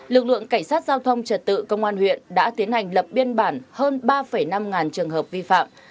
lực lượng cảnh sát giao thông trật tự công an huyện đã tiến hành lập biên bản hơn ba năm ngàn trường hợp vi phạm